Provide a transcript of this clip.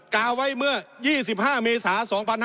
กาไว้เมื่อ๒๕เมษา๒๕๕๙